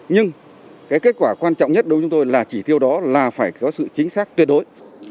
nhưng cái kết quả quan trọng nhất đối với chúng tôi là chỉ tiêu đó là phải có sự chính xác tuyệt đối